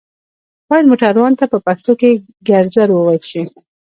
بايد موټروان ته په پښتو کې ګرځر ووئيل شي